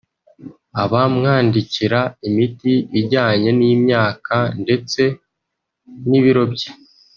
akamwandikira imiti ijyanye n’imyaka ndetse n’ibiro bye